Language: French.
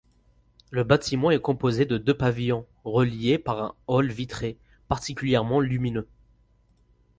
Le bâtiment est composé de deux pavillons reliés par un hall vitré, particulièrement lumineux.